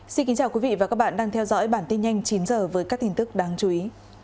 xin kính chào quý vị và các bạn đang theo dõi bản tin nhanh chín h với các tin tức đáng chú ý